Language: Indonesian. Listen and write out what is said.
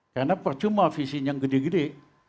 karena percuma visinya yang gede gede